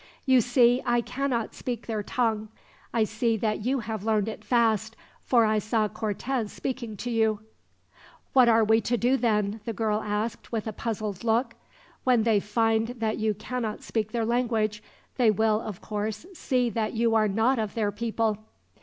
"You see, I cannot speak their tongue. I see that you have learned it fast, for I saw Cortez speaking to you." "What are we to do, then?" the girl asked, with a puzzled look. "When they find that you cannot speak their language, they will, of course, see that you are not of their people."